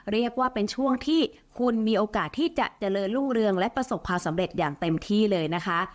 เรียกว่าเป็นช่วงที่คุณมีโอกาสที่จะเจริญรุ่งเรืองและประสบความสำเร็จอย่างเต็มที่เลยนะคะ